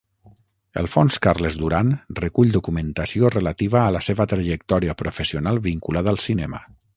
El fons Carles Duran recull documentació relativa a la seva trajectòria professional vinculada al cinema.